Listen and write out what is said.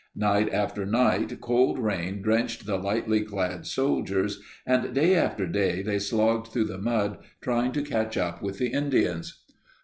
Night after night cold rain drenched the lightly clad soldiers, and day after day they slogged through the mud trying to catch up with the Indians.